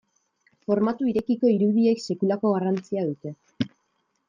Formatu irekiko irudiek sekulako garrantzia dute.